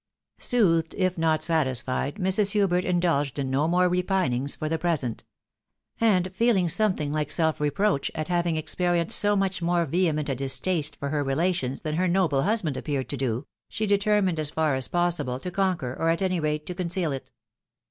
Soothed, if not satisfied, Mrs. Hubert indulged in no more repinings for the present ; and feeling something Hke self reproach at having experienced so much more vehement a dis taste for her relations than her noble husband appeared to do, she determined as far as possible to conquer, or at any rate to conceal it.